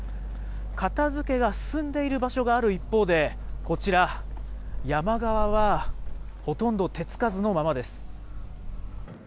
片づけが進んでいる場所がある一方で、こちら、山側はほとんど手つかずのままです。